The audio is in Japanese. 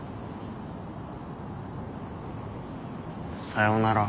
さようなら。